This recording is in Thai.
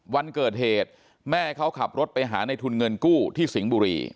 วันเกิดเหตุแม่เขาขับรถไปหาในทุนเงินกู้ที่สิงห์บุรี